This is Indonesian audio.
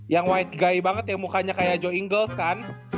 yang white guy banget ya mukanya kayak joe ingle kan